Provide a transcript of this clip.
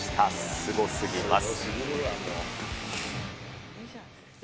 すごすぎます。